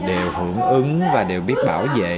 đều hưởng ứng và đều biết bảo vệ